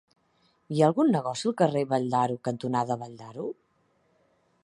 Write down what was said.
Hi ha algun negoci al carrer Vall d'Aro cantonada Vall d'Aro?